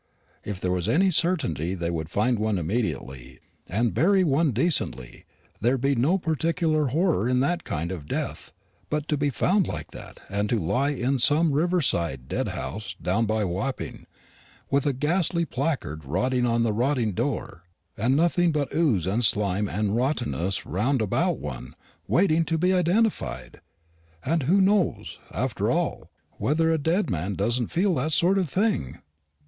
If there was any certainty they would find one immediately, and bury one decently, there'd be no particular horror in that kind of death. But to be found like that, and to lie in some riverside deadhouse down by Wapping, with a ghastly placard rotting on the rotting door, and nothing but ooze and slime and rottenness round about one waiting to be identified! And who knows, after all, whether a dead man doesn't feel that sort of thing?"